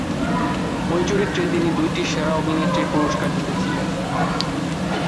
এই চরিত্রে তিনি দুটি সেরা অভিনেত্রীর পুরস্কার জিতেছিলেন।